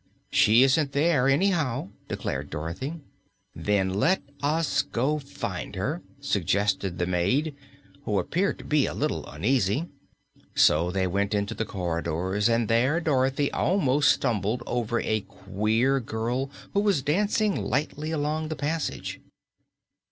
"She isn't there, anyhow," declared Dorothy. "Then let us go find her," suggested the maid, who appeared to be a little uneasy. So they went into the corridors, and there Dorothy almost stumbled over a queer girl who was dancing lightly along the passage.